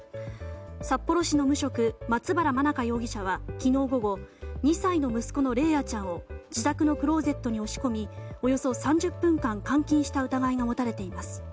札幌市の無職、松原愛華容疑者は昨日午後２歳の息子の莉蒼ちゃんを自宅のクローゼットに押し込みおよそ３０分間監禁した疑いが持たれています。